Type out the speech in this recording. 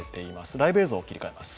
ライブ映像に切り替えます。